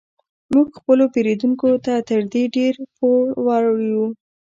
موږ خپلو پیرودونکو ته تر دې ډیر پور وړ یو